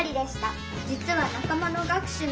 実は仲間の楽手の」。